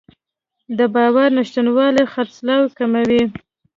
د باور نشتوالی خرڅلاو کموي.